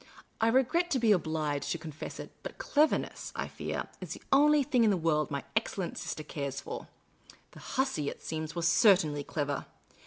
I regret to be obliged to confess it, but cleverness, I fear, is the only thing in the world my excellent sister cares for. The hussy, it seems, was certainly clever.